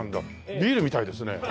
ビールみたいですね。